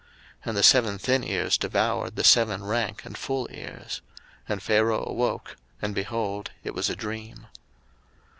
01:041:007 And the seven thin ears devoured the seven rank and full ears. And Pharaoh awoke, and, behold, it was a dream.